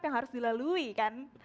yang harus dilalui kan